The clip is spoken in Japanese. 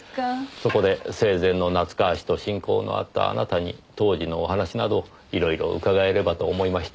そこで生前の夏河氏と親交のあったあなたに当時のお話など色々伺えればと思いまして。